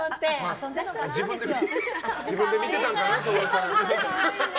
自分で見てたんかな、徹さん。